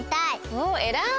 おえらい！